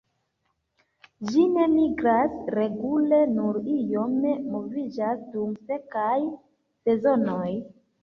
Ĝi ne migras regule, nur iome moviĝas dum sekaj sezonoj.